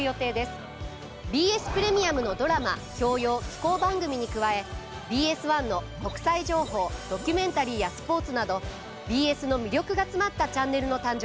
ＢＳプレミアムのドラマ教養紀行番組に加えＢＳ１の国際情報ドキュメンタリーやスポーツなどＢＳの魅力が詰まったチャンネルの誕生です。